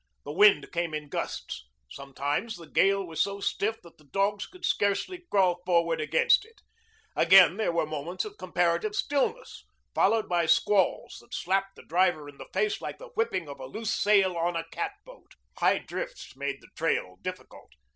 The wind came in gusts. Sometimes the gale was so stiff that the dogs could scarcely crawl forward against it; again there were moments of comparative stillness, followed by squalls that slapped the driver in the face like the whipping of a loose sail on a catboat. High drifts made the trail difficult.